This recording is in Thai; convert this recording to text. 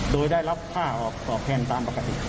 โดยได้รับค่าออกตอบแทนตามปกติ